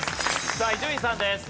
さあ伊集院さんです。